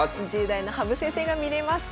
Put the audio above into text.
２０代の羽生先生が見れます。